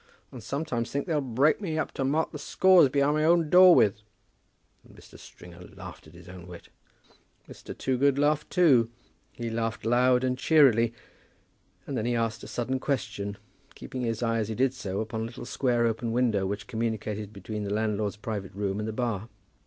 I sometimes think they'll break me up to mark the scores behind my own door with." And Mr. Stringer laughed at his own wit. Mr. Toogood laughed too. He laughed loud and cheerily. And then he asked a sudden question, keeping his eye as he did so upon a little square open window, which communicated between the landlord's private room and the bar.